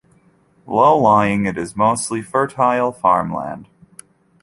Low lying, it is mostly fertile farmland.